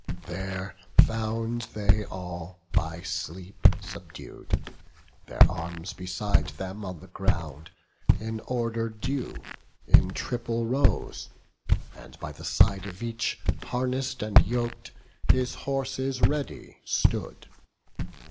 There found they all by sleep subdued; their arms Beside them on the ground, in order due, In triple rows; and by the side of each, Harness'd and yok'd, his horses ready stood.